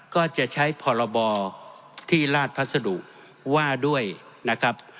ก็จะใช้พรบที่ราชพัสดุว่าด้วยนะครับ